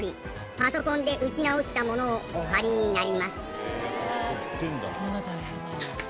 パソコンで打ち直したものをお貼りになります。